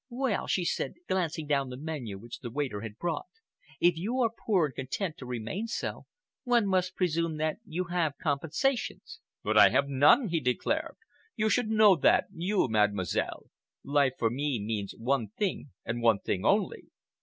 "Well," she said, glancing down the menu which the waiter had brought, "if you are poor and content to remain so, one must presume that you have compensations." "But I have none!" he declared. "You should know that—you, Mademoiselle. Life for me means one thing and one thing only!"